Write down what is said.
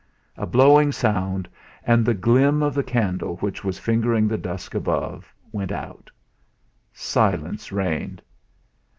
A blowing sound, and the glim of the candle which was fingering the dusk above, went out; silence reigned.